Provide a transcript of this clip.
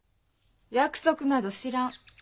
約束など知らん。